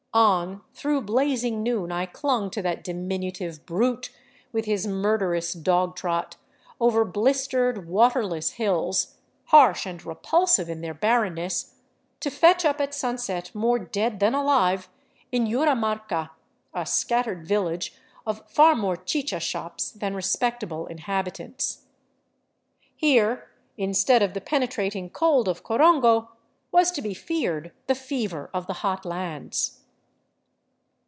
On through blazing noon I clung to that diminutive brute with his murderous dog trot, over blistered, waterless hills, harsh and repulsive in their barrenness, to fetch up at sunset, more dead than alive, in Yuramarca, a scattered village of far more chicha shops than respectable inhabitants. Here, instead of the penetrating cold of Corongo, was to be feared the fever of the hot lands.